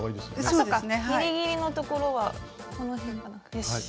そっかギリギリのところはこの辺かなよし。